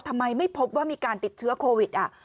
ทำไมไม่พบว่ามีการติดเชื้อโควิด